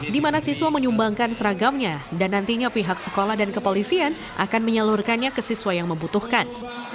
di mana siswa menyumbangkan seragamnya dan nantinya pihak sekolah dan kepolisian akan menyalurkannya ke siswa yang membutuhkan